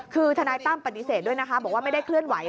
คือทนายตั้มปฏิเสธด้วยนะคะบอกว่าไม่ได้เคลื่อนไหว